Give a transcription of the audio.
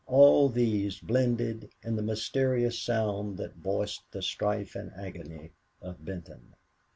all these blended in the mysterious sound that voiced the strife and agony of Benton.